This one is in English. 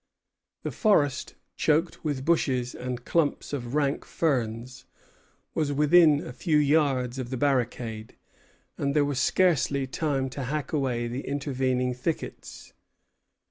The forest, choked with bushes and clumps of rank ferns, was within a few yards of the barricade, and there was scarcely time to hack away the intervening thickets.